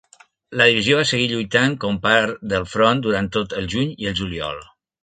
La divisió va seguir lluitant com part del front durant tot el juny i el juliol.